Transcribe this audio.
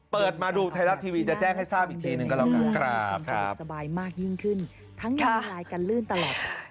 เปิดมาดูไทยรัฐทีวีจะแจ้งให้ทราบอีกทีหนึ่งกันแล้วกันครับ